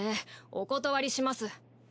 お断りします。